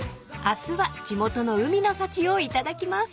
［明日は地元の海の幸を頂きます］